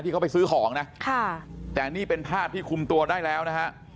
เขาไปซื้อของนะค่ะแต่นี่เป็นภาพที่คุมตัวได้แล้วนะฮะ